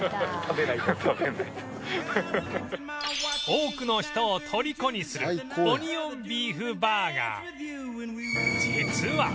多くの人を虜にするオニオンビーフバーガー